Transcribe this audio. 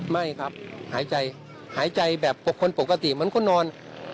ไม่ครับหายใจแห่งคนปกติเหมือนคนนอน